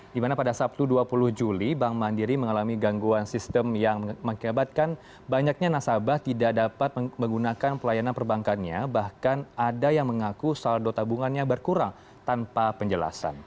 dimana pada sabtu dua puluh juli bank mandiri mengalami gangguan sistem yang mengakibatkan banyaknya nasabah tidak dapat menggunakan pelayanan perbankannya bahkan ada yang mengaku saldo tabungannya berkurang tanpa penjelasan